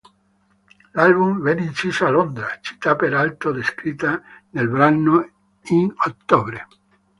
L'album venne inciso a Londra, città peraltro descritta nel brano "In ottobre".